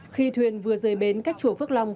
khi thuyền vừa rơi bến cách chùa phước long